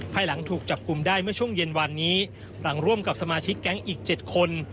ภายหลังถูกจับกลุ่มได้เมื่อช่วงเย็นวันนี้หลังร่วมกับสมาชิกแก๊งอีก๗คน